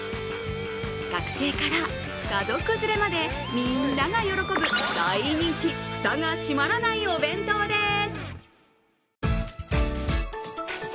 学生から家族連れまで、みんなが喜ぶ大人気、フタが閉まらないお弁当です。